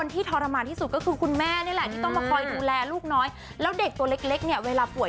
ที่ต้องมาคอยดูแลลูกน้อยแล้วเด็กตัวเล็กเวลาป่วย